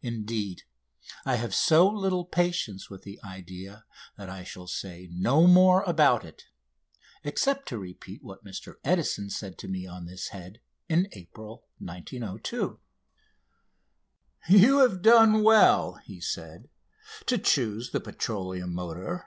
Indeed, I have so little patience with the idea that I shall say no more about it except to repeat what Mr Edison said to me on this head in April 1902: "You have done well," he said, "to choose the petroleum motor.